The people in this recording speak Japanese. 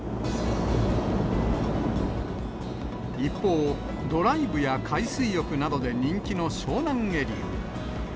一方、ドライブや海水浴などで人気の湘南エリア。